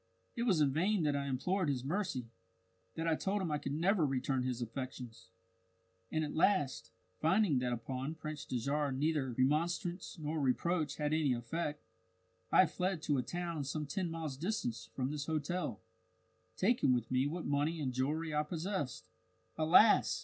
It was in vain that I implored his mercy that I told him I could never return his affections. And at last, finding that upon Prince Dajarah neither remonstrance nor reproach had any effect, I fled to a town some ten miles distant from this hotel, taking with me what money and jewellery I possessed. "Alas!